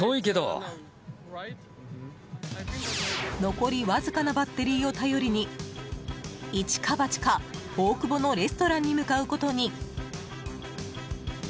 残りわずかなバッテリーを頼りに一か八か、大久保のレストランに向かうことに。